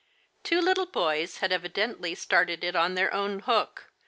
Two little boys had evidently started it on their own hook.